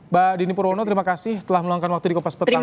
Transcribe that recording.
mbak dini purwono terima kasih telah meluangkan waktu di kompas petang